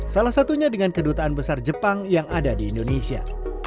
salah satunya dengan kedutaan besar jepang yang ada di indonesia